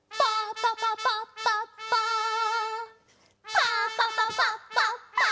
パパパパッパッパ。